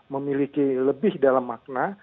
memiliki lebih dalam makna